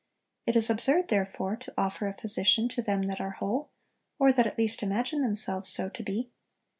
It is absurd, therefore, to offer a physician to them that are whole, or that at least imagine themselves so to be.